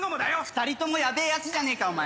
２人ともヤベェヤツじゃねえか！